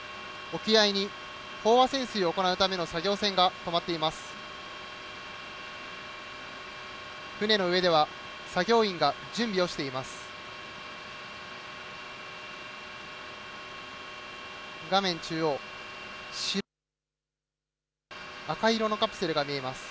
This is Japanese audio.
沖合に飽和潜水を行うための作業船がとまっています。